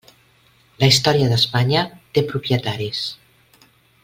La història d'Espanya té propietaris.